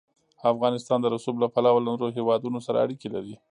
افغانستان د رسوب له پلوه له نورو هېوادونو سره اړیکې لري.